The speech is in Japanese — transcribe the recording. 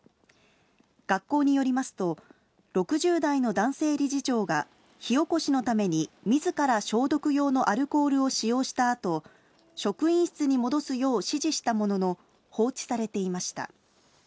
学校によりますと、６０代の男性理事長が、火おこしのためにみずから消毒用のアルコールを使用したあと、職員室に戻すよう指示したものの、放置されていました。